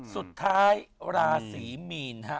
สุดท้ายราศิมีน